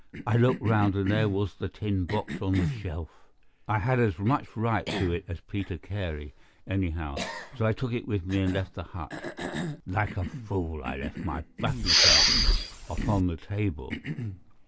I looked round, and there was the tin box on the shelf. I had as much right to it as Peter Carey, anyhow, so I took it with me and left the hut. Like a fool I left my baccy pouch upon the table.